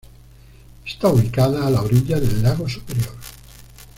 Está ubicada a la orilla del lago Superior.